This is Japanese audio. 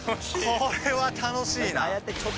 これは楽しいな。